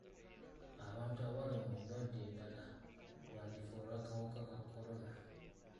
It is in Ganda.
Abantu abalumwa endwadde endala bandifa olw'akawuka ka kolona.